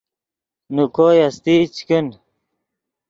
نے کوئے استئی چے کن